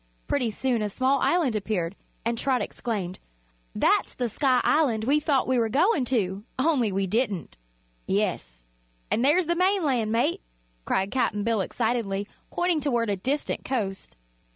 Pretty soon a small island appeared, and Trot exclaimed: "That's the Sky Island we thought we were goin' to only we didn't." "Yes; an' there's the mainland, mate!" cried Cap'n Bill excitedly, pointing toward a distant coast.